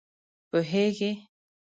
پوهېږې!